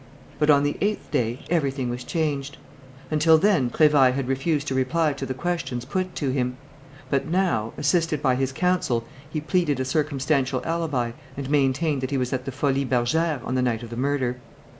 But, on the eighth day, everything was changed. Until then Prévailles had refused to reply to the questions put to him; but now, assisted by his counsel, he pleaded a circumstantial alibi and maintained that he was at the Folies Bergère on the night of the murder.